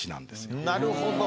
なるほど。